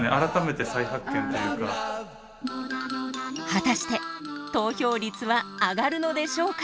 果たして投票率は上がるのでしょうか？